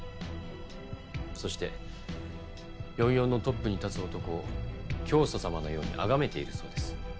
そして４４のトップに立つ男を教祖様のようにあがめているそうです。